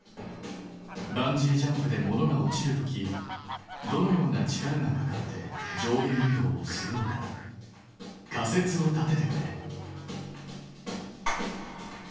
バンジージャンプで物が落ちる時どのような力がかかって上下運動をするのか仮説を立ててくれ。